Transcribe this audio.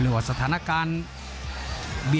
ภูตวรรณสิทธิ์บุญมีน้ำเงิน